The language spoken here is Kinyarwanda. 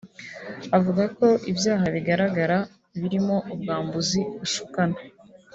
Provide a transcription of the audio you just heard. Avuga ko ibyaha bikigaragara birimo ubwambuzi bushukana